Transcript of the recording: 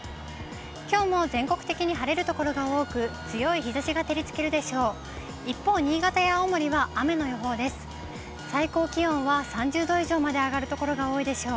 きょうも全国的に晴れる所が多く、強い日ざしが照りつけるでしょう。